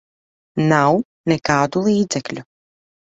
Nav nekādu līdzekļu.